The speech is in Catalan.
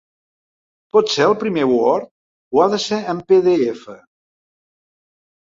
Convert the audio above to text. Pot ser el primer word o ha de ser en pe de efa?